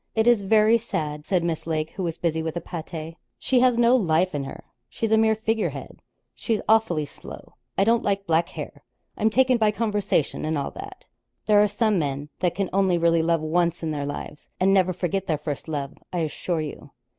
'It is very sad,' said Miss Lake, who was busy with a pâté. 'She has no life in her; she's a mere figurehead; she's awfully slow; I don't like black hair; I'm taken by conversation and all that. There are some men that can only really love once in their lives, and never forget their first love, I assure you.'